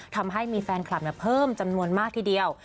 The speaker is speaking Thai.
ทำให้มีแฟนคลับเพิ่มจำนวนมากทีเดียว